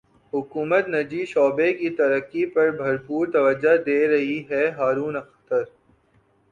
حکومت نجی شعبے کی ترقی پر بھرپور توجہ دے رہی ہے ہارون اختر